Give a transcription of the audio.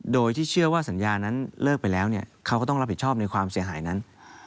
โดยที่เชื่อว่าสัญญานั้นเลิกไปแล้วเขาก็ต้องรับผิดชอบในความเสียหายนั้น